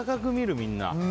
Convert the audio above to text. みんな。